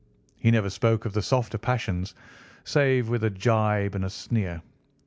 He never spoke of the softer passions, save with a gibe and a sneer.